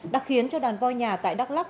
đã khiến cho đàn voi nhà tại đắk lắc